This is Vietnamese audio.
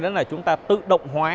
đó là chúng ta tự động hóa